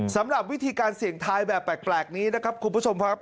สำหรับวิธีการเสี่ยงทายแบบแปลกนี้นะครับคุณผู้ชมครับ